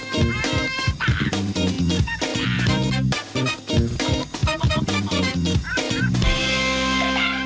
ใช่เลย